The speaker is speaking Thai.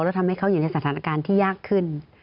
แล้วทำให้เขาอยู่ในสถานการณ์ที่ยากขึ้น